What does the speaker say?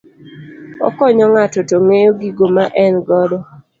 Okonyo ng'ato e ng'eyo gigo ma en godo